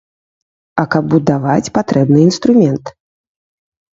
А каб будаваць, патрэбны інструмент.